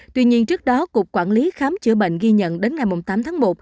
tuy nhiên trước đó cục quản lý khám chữa bệnh ghi nhận đến ngày tám tháng một